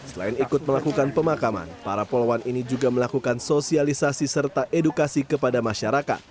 selain ikut melakukan pemakaman para poluan ini juga melakukan sosialisasi serta edukasi kepada masyarakat